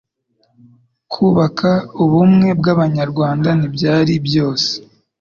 kubaka ubumwe bw'Abanyarwanda ntibyari byose